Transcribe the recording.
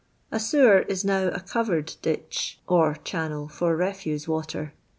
A sewer is now a covered | ditch, or channel for refuse water.